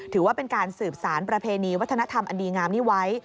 ถือว่าเป็นการสืบสารประเพณีวัฒนธรรมอันดีงามนี้ไว้